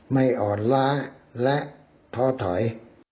ไม่อ่อนล้าและท้อถอย